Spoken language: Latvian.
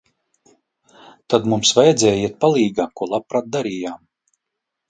Tad mums vajadzēja iet palīgā, ko labprāt darījām.